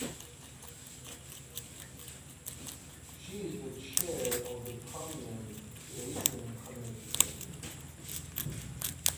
She is the chair of the Permian Basin Community Center.